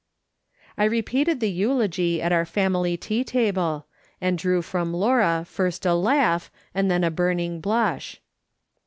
I repeated the eulogy at our family tea table, and drew from Laura first a laugh and then a burninsr blush.